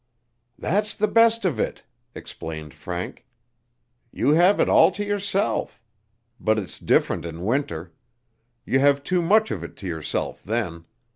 "That's the best of it," explained Frank, "you have it all to yourself. But it's different in winter. You have too much of it to yourself then.